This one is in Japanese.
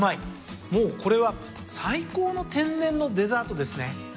もうこれは最高の天然のデザートですね。